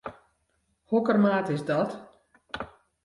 Hokker maat is dat?